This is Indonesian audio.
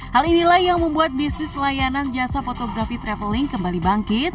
hal inilah yang membuat bisnis layanan jasa fotografi traveling kembali bangkit